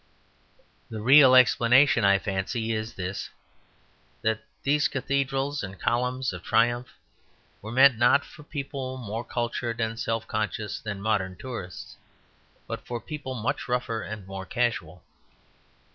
The real explanation, I fancy, is this: that these cathedrals and columns of triumph were meant, not for people more cultured and self conscious than modern tourists, but for people much rougher and more casual.